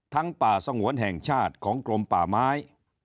ป่าสงวนแห่งชาติของกรมป่าไม้